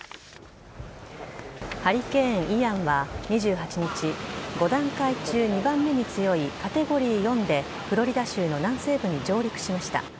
ハリケーン・イアンは２８日５段階中２番目に強いカテゴリー４でフロリダ州の南西部に上陸しました。